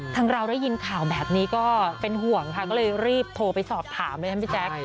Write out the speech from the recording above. เราได้ยินข่าวแบบนี้ก็เป็นห่วงค่ะก็เลยรีบโทรไปสอบถามเลยนะพี่แจ๊ค